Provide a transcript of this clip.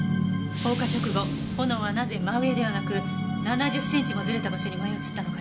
放火直後炎はなぜ真上ではなく７０センチもずれた場所に燃え移ったのかしら？